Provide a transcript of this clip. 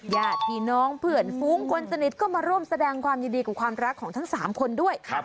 ญาติพี่น้องเพื่อนฟุ้งคนสนิทก็มาร่วมแสดงความยินดีกับความรักของทั้ง๓คนด้วย